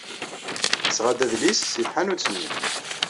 Tesɣa-d adlis seg tḥanut-nni.